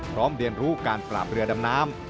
พร้อมเรียนรู้การปราบเรือดำน้ำ